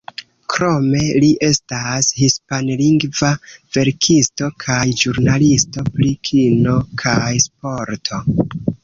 Krome, li estas hispanlingva verkisto, kaj ĵurnalisto pri kino kaj sporto.